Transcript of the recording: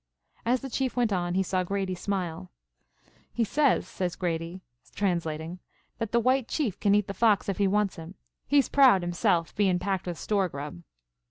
As the Chief went on, he saw Grady smile. "He says," says Grady, translating, "that the white chief can eat the fox if he wants him. He's proud himself, bein' packed with store grub."